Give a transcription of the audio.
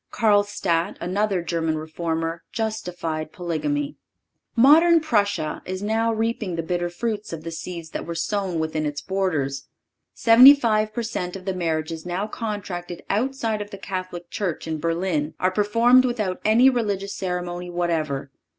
(543) Karlstadt, another German Reformer, justified polygamy.(544) Modern Prussia is now reaping the bitter fruits of the seeds that were then sown within its borders. Seventy five per cent. of the marriages now contracted outside of the Catholic Church in Berlin are performed without any religious ceremony whatever.